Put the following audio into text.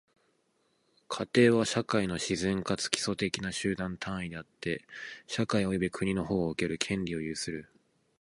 家庭は、社会の自然かつ基礎的な集団単位であって、社会及び国の保護を受ける権利を有する。